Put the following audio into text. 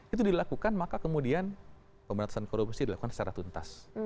itu dilakukan maka kemudian pemberantasan korupsi dilakukan secara tuntas